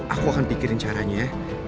aku akan pikirin caranya